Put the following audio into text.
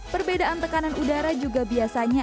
perbedaan tekanan udara juga biasanya